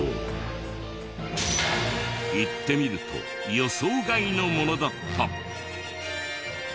行ってみると予想外のものだった！